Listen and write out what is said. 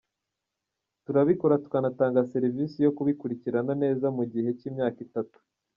Turabikora tukanatanga serivisi yo kubikurikirana neza mu gihe cy’imyaka itatu.